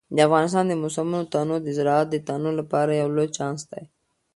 د افغانستان د موسمونو تنوع د زراعت د تنوع لپاره یو لوی چانس دی.